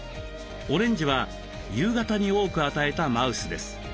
オレンジは夕方に多く与えたマウスです。